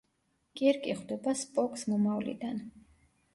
კირკი ხვდება სპოკს მომავლიდან.